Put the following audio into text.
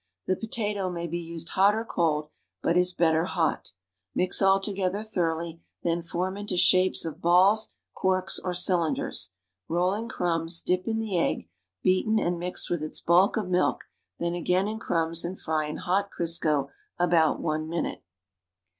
The potato may be used hot or cold, but is better hot. Mix all together thoroughly, then form into shapes of balls, corks or cylinders. Roll in^ crumbs, dip in the egg, beaten and mixed with its bulk of milk, then again in crumbs and fry in hot Crisco about one minute.